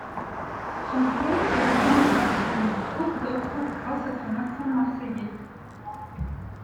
Son flow est reconnaissable parmi beaucoup d'autres grâce à son accent marseillais.